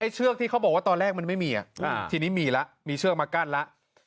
เชือกที่เขาบอกว่าตอนแรกมันไม่มีทีนี้มีแล้วมีเชือกมากั้นแล้ว